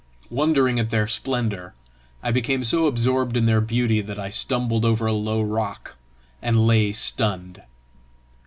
Wondering at their splendour, I became so absorbed in their beauty that I stumbled over a low rock, and lay stunned.